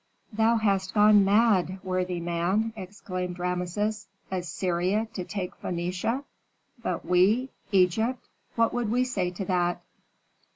"Thou hast gone mad, worthy man!" exclaimed Rameses. "Assyria to take Phœnicia! But we? Egypt what would we say to that?"